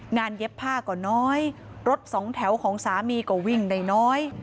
เย็บผ้าก็น้อยรถสองแถวของสามีก็วิ่งได้น้อย